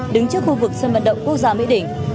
đứng trước khu vực sân vận động quốc gia mỹ đỉnh